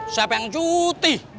siapa yang cuti